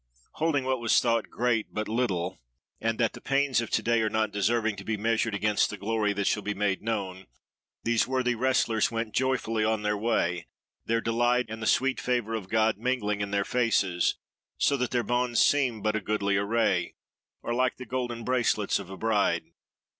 Holding what was thought great but little, and that the pains of to day are not deserving to be measured against the glory that shall be made known, these worthy wrestlers went joyfully on their way; their delight and the sweet favour of God mingling in their faces, so that their bonds seemed but a goodly array, or like the golden bracelets of a bride.